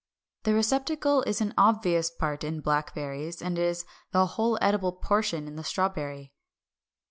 The receptacle is an obvious part in blackberries, and is the whole edible portion in the strawberry.